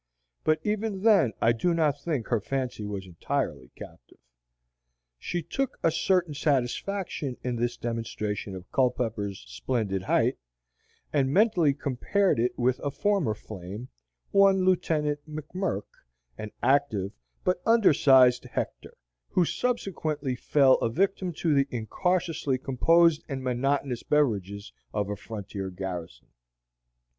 But even then I do not think her fancy was entirely captive. She took a certain satisfaction in this demonstration of Culpepper's splendid height, and mentally compared it with a former flame, one lieutenant McMirk, an active, but under sized Hector, who subsequently fell a victim to the incautiously composed and monotonous beverages of a frontier garrison.